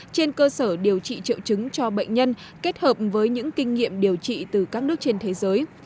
trên cơ sở điều trị triệu chứng cho bệnh nhân kết hợp với những kinh nghiệm điều trị từ các nước trên thế giới